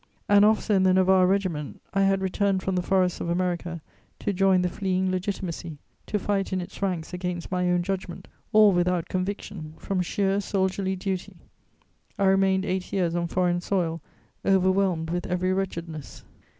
An officer in the Navarre Regiment, I had returned from the forests of America to join the fleeing Legitimacy, to fight in its ranks against my own judgment, all without conviction, from sheer soldierly duty. I remained eight years on foreign soil, overwhelmed with every wretchedness.